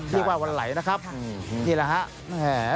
เรียกว่าวันไหลนะครับนี่แหละครับ